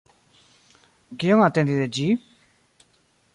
Kion atendi de ĝi?